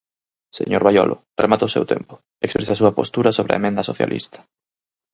Señor Baiolo, remata o seu tempo, exprese a súa postura sobre a emenda socialista.